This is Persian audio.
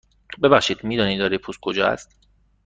ببخشید، می دانید اداره پست کجا است؟